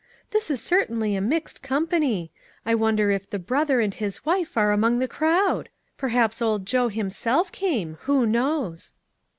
"This is certainly a mixed company. I wonder if the brother and his wife are among the crowd? Perhaps Old Joe him self came ; who knows